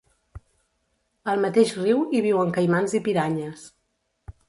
Al mateix riu hi viuen caimans i piranyes.